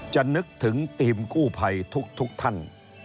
นึกถึงทีมกู้ภัยทุกท่าน